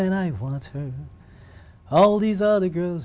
nhưng tôi không có gì